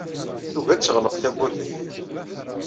Tugi ad teɣleq tewwurt-nni.